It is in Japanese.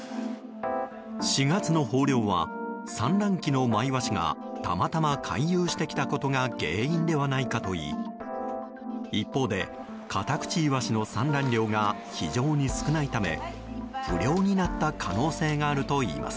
４月の豊漁は産卵期のマイワシがたまたま回遊してきたことが原因ではないかといい一方で、カタクチイワシの産卵量が非常に少ないため不漁になった可能性があるといいます。